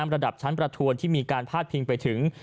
ระดับชั้นประทวนที่มีการพาดพิงไปถึง